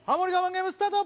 ゲームスタート